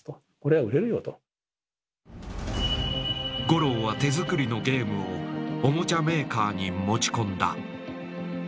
五郎は手作りのゲームをおもちゃメーカーに持ち込んだ。